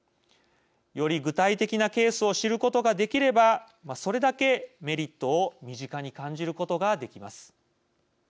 より具体的なケースを知ることができればそれだけメリットを身近に感じることができます。